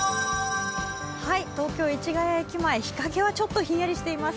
東京・市ケ谷駅前日陰はちょっとひんやりしています。